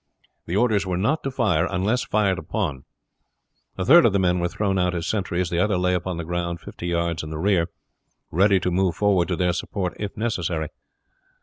The orders were not to fire unless fired upon. A third of the men were thrown out as sentries; the others lay upon the ground, fifty yards in rear, ready to move forward to their support if necessary.